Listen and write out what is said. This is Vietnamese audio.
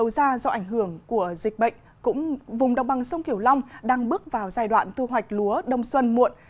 do ảnh hưởng của dịch bệnh vùng đồng bằng sông kiểu long đang bước vào giai đoạn thu hoạch lúa đông xuân muộn